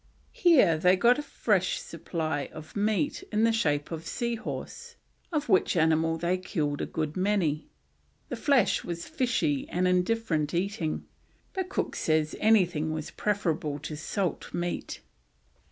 Here they got a supply of fresh meat in the shape of sea horse, of which animal they killed a good many. The flesh was fishy and indifferent eating, but Cook says anything was preferable to salt meat.